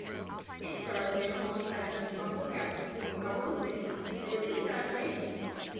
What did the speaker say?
It stars him alongside an ensemble cast including Tabu and Nivedita Jain.